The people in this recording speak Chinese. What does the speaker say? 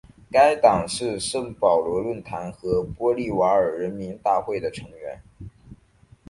该党是圣保罗论坛和玻利瓦尔人民大会的成员。